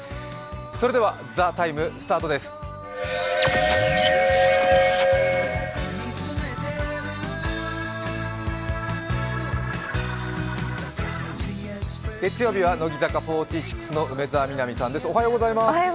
それでは「ＴＨＥＴＩＭＥ，」スタートです月曜日は乃木坂４６の梅澤美波さんです。